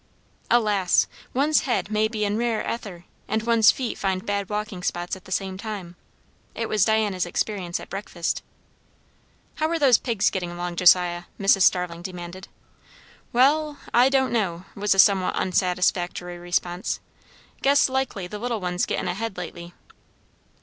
Alas! one's head may be in rare ether, and one's feet find bad walking spots at the same time. It was Diana's experience at breakfast. "How are those pigs getting along, Josiah?" Mrs. Starling demanded. "Wall, I don' know," was the somewhat unsatisfactory response. "Guess likely the little one's gettin' ahead lately."